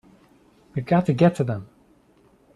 We've got to get to them!